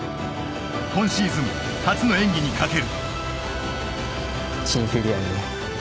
今シーズン、初の演技にかける。